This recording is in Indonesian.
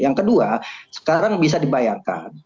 yang kedua sekarang bisa dibayangkan